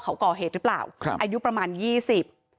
เขาก่อเหตุหรือเปล่าครับอายุประมาณยี่สิบ